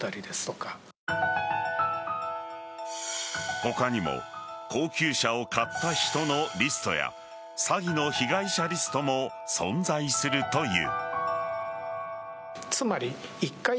他にも高級車を買った人のリストや詐欺の被害者リストも存在するという。